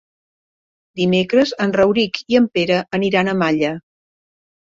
Dimecres en Rauric i en Pere aniran a Malla.